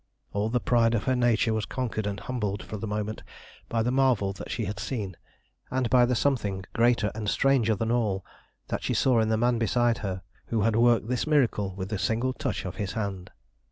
All the pride of her nature was conquered and humbled for the moment by the marvel that she had seen, and by the something, greater and stranger than all, that she saw in the man beside her who had worked this miracle with a single touch of his hand.